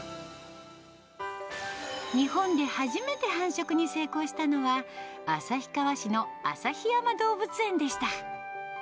日本で初めて繁殖に成功したのは、旭川市の旭山動物園でした。